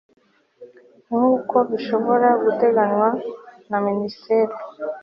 nk uko bishobora guteganywa na Minisitiri